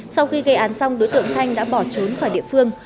sau khi gây án xong đối tượng thanh đã bỏ trốn khỏi địa phương